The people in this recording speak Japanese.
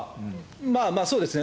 まあまあ、そうですね。